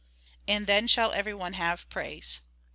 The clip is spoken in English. And then shall every one have praise.